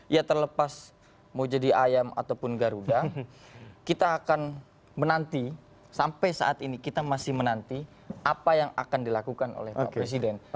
ya terlepas mau jadi ayam ataupun garuda kita akan menanti sampai saat ini kita masih menanti apa yang akan dilakukan oleh pak presiden